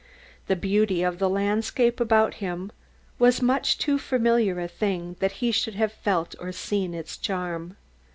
The beauty of the landscape about him was much too familiar a thing that he should have felt or seen its charm.